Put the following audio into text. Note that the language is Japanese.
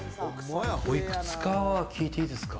おいくつかは聞いていいですか？